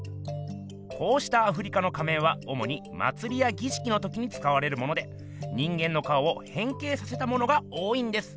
こうしたアフリカの仮面はおもにまつりやぎしきのときにつかわれるもので人間の顔をへん形させたものが多いんです。